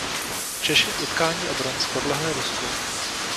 Češi v utkání o bronz podlehli Rusku.